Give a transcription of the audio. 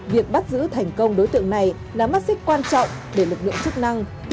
việc bắt giữ thành công đối tượng này là mắt xích quan trọng để lực lượng chức năng